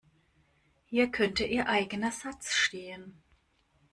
Hier könnte Ihr eigener Satz stehen.